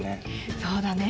そうだね。